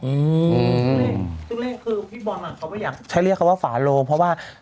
อืมซึ่งเลขคือพี่บอลอ่ะเขาไม่อยากใช้เรียกเขาว่าฝาโลงเพราะว่า